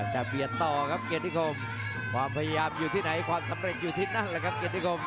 จะเปลี่ยนต่อกับเกียรติกรมความพยายามอยู่ที่ไหนความสำเร็จอยู่ที่นั้นครับเกียรติกรม